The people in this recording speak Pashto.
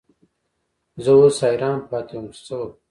زه اوس حیران پاتې وم چې څه وکړم.